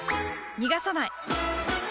逃がさない！